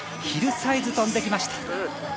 ヒルサイズ飛んできました。